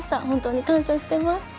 本当に感謝してます。